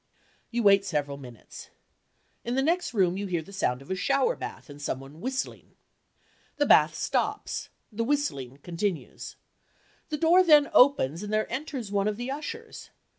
You wait several minutes. In the next room you hear the sound of a shower bath and some one whistling. The bath stops; the whistling continues. The door then opens and there enters one of the ushers.